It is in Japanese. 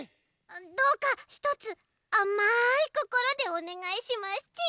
どうかひとつあまいこころでおねがいしますち。